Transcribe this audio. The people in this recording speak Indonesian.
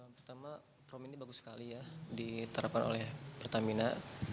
pertama prom ini bagus sekali ya diterapkan oleh pertamina